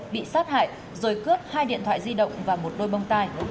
bị sát hại rồi cướp hai điện thoại di động và một đôi bông tai